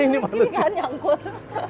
rizky ini gak nyangkut